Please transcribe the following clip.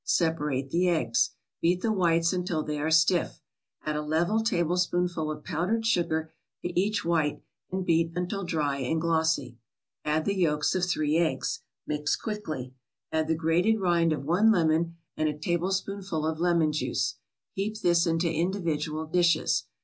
Separate the eggs. Beat the whites until they are stiff. Add a level tablespoonful of powdered sugar to each white, and beat until dry and glossy. Add the yolks of three eggs. Mix quickly. Add the grated rind of one lemon and a tablespoonful of lemon juice. Heap this into individual dishes.